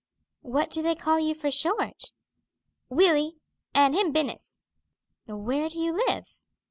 "What do they call you for short?" "Willy, and him Binus." "Where do you live?"